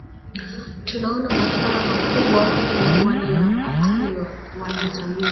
Tunaona madhara makubwa waliyoyapata ni wanajamii